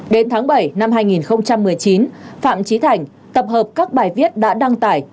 đến tháng bảy năm hai nghìn một mươi chín phạm trí thành tập hợp các bài viết đã đăng tải